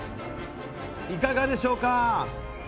いかがでしょうか？